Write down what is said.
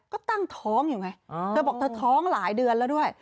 ก็ตั้งท้องอยู่ไงเธอบอกเธอท้องหลายเดือนแล้วด้วย